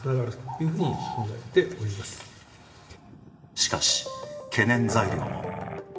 しかし、懸念材料も。